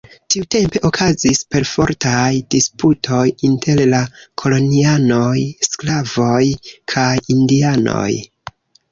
Tiutempe okazis perfortaj disputoj inter la kolonianoj, sklavoj, kaj indianoj.